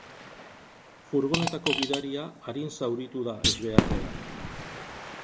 Furgonetako gidaria arin zauritu da ezbeharrean.